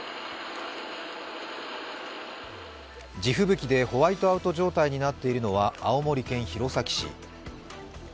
地吹雪でホワイトアウト状態になっているのは青森県弘前市。